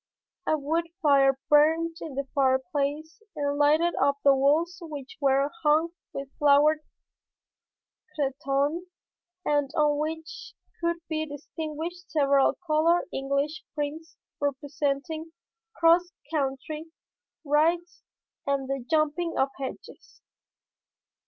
A wood fire burned in the fireplace and lighted up the walls which were hung with flowered cretonne and on which could be distinguished several colored English prints representing cross country rides and the jumping of hedges.